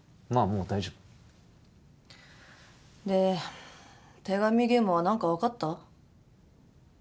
もう大丈夫で手紙ゲームは何か分かった？